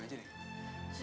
iya bukan itu